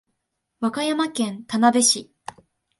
和歌山県田辺市